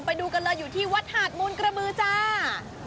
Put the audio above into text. ไปดูกันเลยอยู่ที่วัดหาดมูลกระบือจ้า